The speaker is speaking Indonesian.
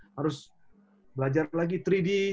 harus belajar lagi tiga d